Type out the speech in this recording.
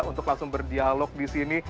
untuk langsung berdialog di sini